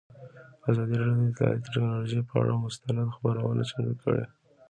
ازادي راډیو د اطلاعاتی تکنالوژي پر اړه مستند خپرونه چمتو کړې.